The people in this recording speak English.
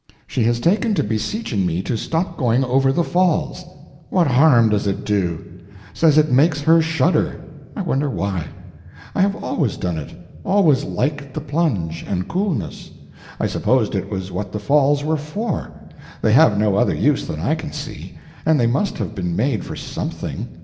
She has taken to beseeching me to stop going over the Falls. What harm does it do? Says it makes her shudder. I wonder why; I have always done it always liked the plunge, and coolness. I supposed it was what the Falls were for. They have no other use that I can see, and they must have been made for something.